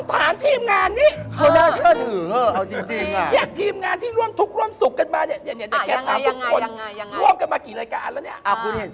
ถามทีมงานนี้อยากทีมงานที่ร่วมทุกร่วมสุขกันมาอยากถามทุกคนร่วมกันมากี่รายการแล้วเนี่ย